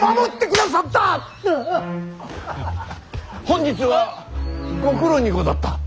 本日はご苦労にござった。